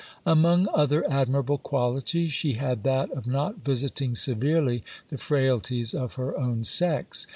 Among other admirable qualities, she had that of not visiting severely the frailties of her own sex.